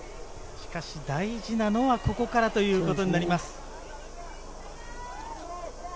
しかし大事なのはここからということになります。